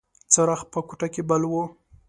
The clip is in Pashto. څراغ په کوټه کې بل و.